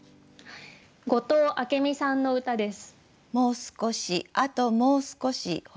後藤明美さんの歌です。